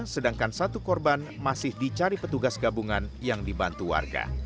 sedangkan satu korban masih dicari petugas gabungan yang dibantu warga